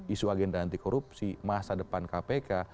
isu agenda anti korupsi masa depan kpk